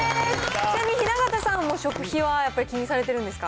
ちなみに、雛形さんも食費はやっぱり気にされてるんですか。